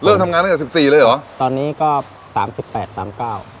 ทำงานตั้งแต่สิบสี่เลยเหรอตอนนี้ก็สามสิบแปดสามเก้า